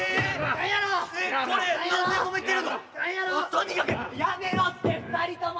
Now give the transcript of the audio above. とにかくやめろって２人とも！